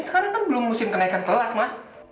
sekarang kan belum musim kenaikan kelas mah